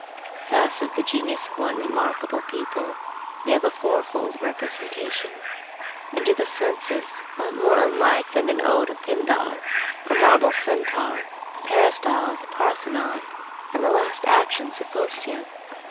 Thus of the genius of one remarkable people we have a fourfold representation: and to the senses what more unlike than an ode of Pindar, a marble centaur, the peristyle of the Parthenon, and the last actions of Phocion?